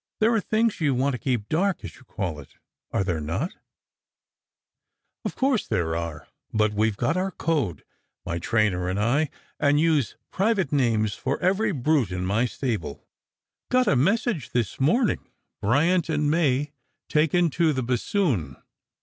There are things you want to keep dark, as you call it, are there not ?"" Of course there are. But we've got our code, my trainer tttid I, an.,1 lS' private names for every brut« ic ray stable. Strangers and Pilgrims. 161 Got a message this morning :" Bryant and May taken to tlia bassoon."